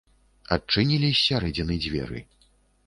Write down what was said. Адчынілі з сярэдзіны дзверы.